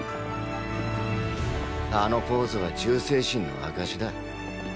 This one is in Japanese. あのポーズは忠誠心の証だ。